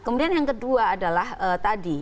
kemudian yang kedua adalah tadi